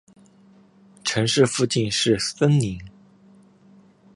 城市附近是森林。